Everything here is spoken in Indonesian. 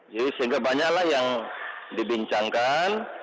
jadi sehingga banyaklah yang dibincangkan